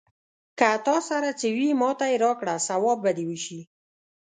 که تا سره څه وي، ماته يې راکړه ثواب به دې وشي.